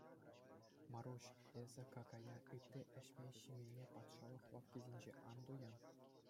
Маруҫ, эсӗ какая, ытти ӗҫме-ҫимене патшалӑх лавккисенче ан туян.